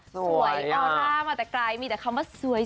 สวยออร่ามาแต่ไกลมีแต่คำว่าสวย